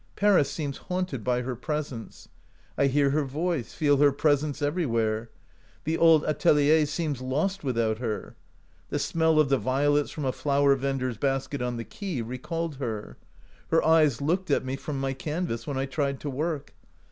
Paris seems haunted by her presence. I hear her voice, feel her presence everywhere. The old atelier seemed lost without her. The . smell of the violets from a flower vender's basket on the quay recalled her. Her eyes looked at me from my canvas when I tried to work.